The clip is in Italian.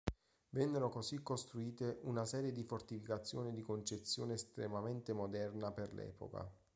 Vennero così costruite una serie di fortificazioni di concezione estremamente moderna per l'epoca.